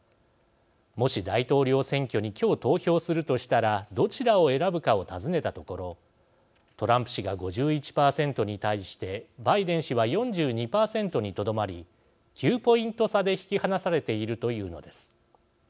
もし、大統領選挙に今日投票するとしたらどちらを選ぶかを尋ねたところトランプ氏が５１％に対してバイデン氏は４２％にとどまり９ポイント差で引き離されているというのです。